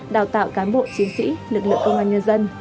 đào tạo cán bộ chiến sĩ lực lượng công an nhân dân